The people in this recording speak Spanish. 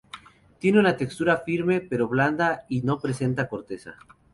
Tiene una textura firme pero blanda y no presenta corteza.